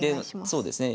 そうですね。